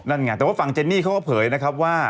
นั่นไงแต่ว่าฝั่งเจนนี่เขาก็เผยนะครับว่า